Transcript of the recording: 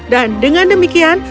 dan dengan demikian